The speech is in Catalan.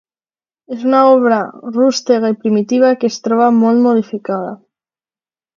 És una obra rústega i primitiva que es troba molt modificada.